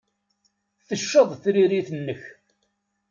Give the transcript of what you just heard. Tecceḍ tririt-nnek.